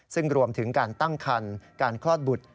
ซึ่งรวมถึงการตั้งคันการคลอดบุตร